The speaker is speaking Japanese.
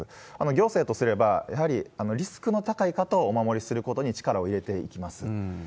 行政とすれば、やはりリスクの高い方をお守りすることに力を入れていきます。